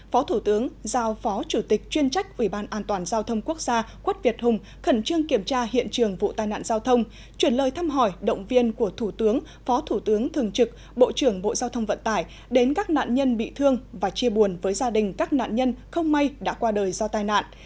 phó thủ tướng giao phó chủ tịch chuyên trách ubndgqx quất việt hùng khẩn trương kiểm tra hiện trường vụ tai nạn giao thông chuyển lời thăm hỏi động viên của thủ tướng phó thủ tướng thường trực bộ trưởng bộ giao thông vận tải đến các nạn nhân bị thương và chia buồn với gia đình các nạn nhân không may đã qua đời do tai nạn